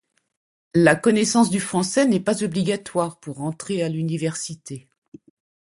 La connaissance du français n’est pas obligatoire pour entrer à l’Université.